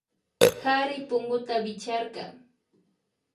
Kari punguta wichkarka